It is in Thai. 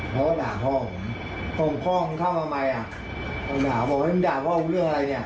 เขาก็บอกเอางานไว้กู